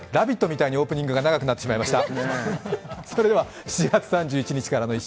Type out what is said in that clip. みたいにオープニングが長くなってしまいました。